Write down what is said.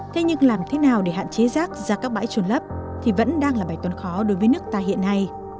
thế nhưng làm thế nào để hạn chế rác ra các bãi trôn lấp thì vẫn đang là bài toán khó đối với nước ta hiện nay